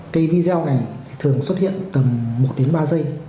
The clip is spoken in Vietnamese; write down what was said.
cái video này thì thường xuất hiện tầm một đến ba giây